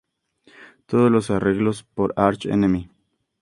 Todas los arreglos por Arch Enemy.